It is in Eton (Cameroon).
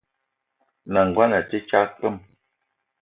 N’nagono a te tsag kpwem.